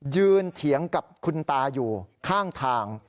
เถียงกับคุณตาอยู่ข้างทาง